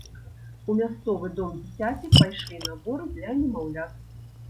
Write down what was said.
У мясцовы дом дзіцяці пайшлі наборы для немаўлят.